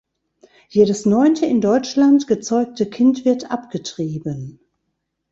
Jedes neunte in Deutschland gezeugte Kind wird abgetrieben.